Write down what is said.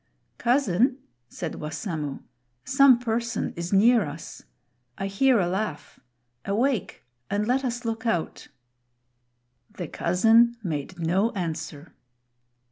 "Cousin," said Wassamo, "some person is near us. I hear a laugh; awake and let us look out!" The cousin made no answer.